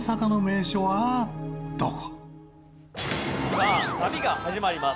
さあ旅が始まります。